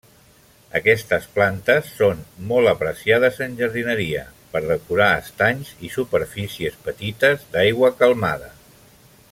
Aquestes plantes són molt apreciades en jardineria per decorar estanys i superfícies petites d'aigua calmada.